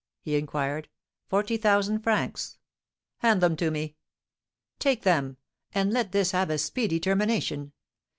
he inquired. "Forty thousand francs." "Hand them to me!" "Take them! and let this have a speedy termination.